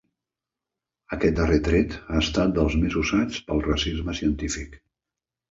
Aquest darrer tret ha estat dels més usats pel racisme científic.